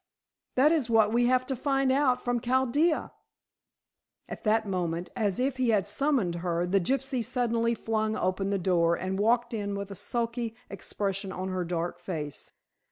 "That is what we have to find out from Chaldea!" At that moment; as if he had summoned her, the gypsy suddenly flung open the door and walked in with a sulky expression on her dark face.